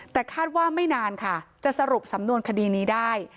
แต่คาดว่าไม่นานค่ะจะสรุปสำนวนคดีนี้ได้